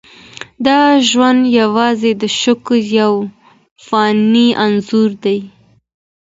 دا ژوند یوازې د شکر یو فاني انځور دی.